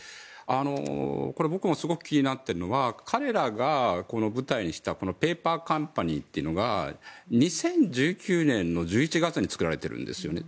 これ、僕もすごく気になっているのは彼らがこの舞台にしたペーパーカンパニーというのが２０１９年の１１月に作られているんですよね。